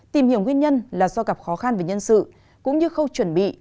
tìm hiểu nguyên nhân là do gặp khó khăn về nhân sự cũng như khâu chuẩn bị